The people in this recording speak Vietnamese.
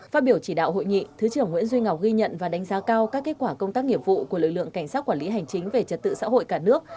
phát biểu chỉ đạo hội nghị thứ trưởng nguyễn duy ngọc ghi nhận và đánh giá cao các kết quả công tác nghiệp vụ của lực lượng cảnh sát quản lý hành chính về trật tự xã hội cả nước